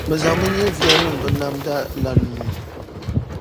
bɛ zaŋ bɛ nyɛviya niŋ bɛ Namda la nuu ni.